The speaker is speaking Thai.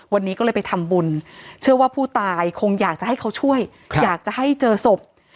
วันนี้ก็เลยไปทำบุญเชื่อว่าผู้ตายคงอยากจะให้เขาช่วยอยากจะให้เจอศพ